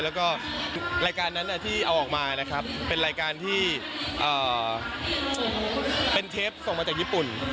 แล้วก็รายการนั้นที่เอาออกมานะครับเป็นรายการที่เป็นเทปส่งมาจากญี่ปุ่น